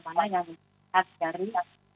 mana yang harus dikajari